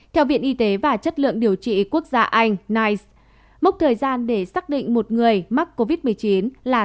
theo viện y tế và chất lượng điều trị quốc gia anh nige mốc thời gian để xác định một người mắc covid một mươi chín là